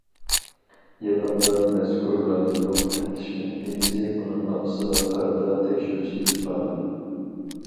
يېقىندا مەزكۇر رايونلۇق تەپتىش مەھكىمىسى ئۇنىڭ ئاپىسىغا قارىتا تەكشۈرۈش ئېلىپ بارغان.